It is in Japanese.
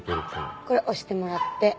これ押してもらって。